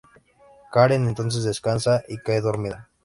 Karen entonces descansa y cae dormida.